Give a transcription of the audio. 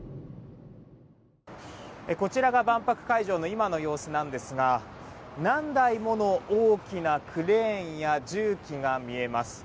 こちらが万博会場の今の様子なんですが何台もの大きなクレーンや重機が見えます。